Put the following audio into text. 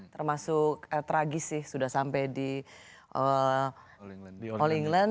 termasuk tragis sih sudah sampai di all england